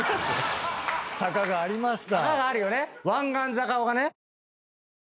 坂がありました。